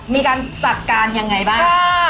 มีการจัดการยังไงบ้าง